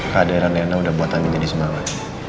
kaderan reina udah buat kami jadi semangat